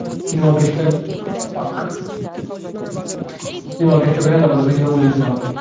তিনি অর্কেস্ট্রায় বেহালাবাদক হিসেবে উল্লিখিত হন।